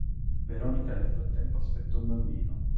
Veronica nel frattempo aspetta un bambino.